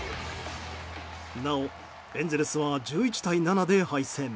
なお、エンゼルスは１１対７で敗戦。